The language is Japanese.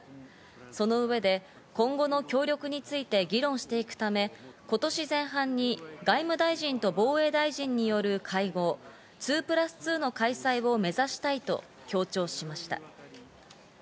その上で今後の協力について議論していくため、今年前半に外務大臣と防衛大臣による会合、２プラス２の開催を目指したいと強調しました。